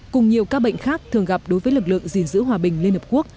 cùng nhiều ca bệnh khác thường gặp đối với lực lượng gìn giữ hòa bình liên hợp quốc